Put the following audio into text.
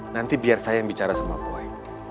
nanti biar saya yang bicara sama puai